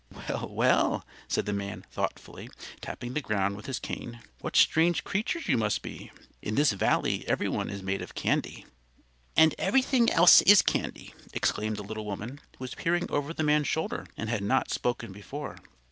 "Well, well!" said the man, thoughtfully tapping the ground with his cane; "what strange creatures you must be. In this Valley everyone is made of candy." "And everything else is candy," exclaimed the little woman, who was peering over the man's shoulder and had not spoken before.